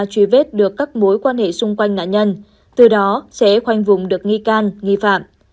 truy vết được các mối quan hệ xung quanh nạn nhân từ đó sẽ khoanh vùng được nghi can nghi phạm